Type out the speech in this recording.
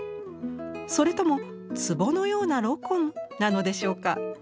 それとも壷のようなロコンなのでしょうか？